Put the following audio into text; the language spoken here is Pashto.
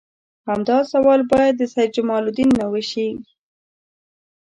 همدا سوال باید د سید جمال الدین نه وشي.